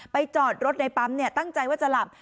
ไปจอดรถในปั๊มเนี่ยตั้งใจว่าจะหลับ